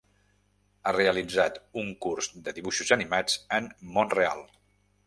Ha realitzat un curs de dibuixos animats en Mont-real.